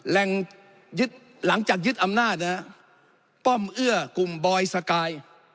ยึดหลังจากยึดอำนาจนะฮะป้อมเอื้อกลุ่มบอยสกาย